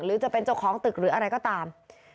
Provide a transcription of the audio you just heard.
หรือจะเป็นเจ้าของตึกหรืออะไรก็ตาม